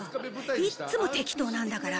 いっつも適当なんだから。